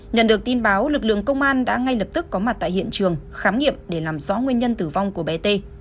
nhận được tin báo lực lượng công an đã ngay lập tức có mặt tại hiện trường khám nghiệm để làm rõ nguyên nhân tử vong của bé t